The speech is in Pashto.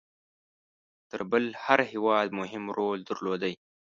تر بل هر هیواد مهم رول درلودی.